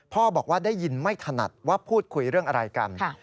บอกว่าได้ยินไม่ถนัดว่าพูดคุยเรื่องอะไรกัน